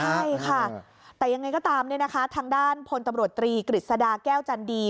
ใช่ค่ะแต่ยังไงก็ตามเนี่ยนะคะทางด้านพลตำรวจตรีกฤษฎาแก้วจันดี